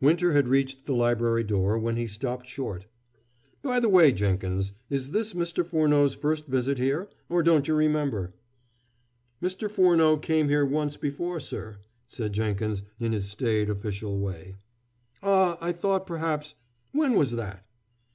Winter had reached the library door, when he stopped short. "By the way, Jenkins, is this Mr. Furneaux's first visit here? or don't you remember?" "Mr. Furneaux came here once before, sir," said Jenkins in his staid official way. "Ah, I thought perhaps when was that?"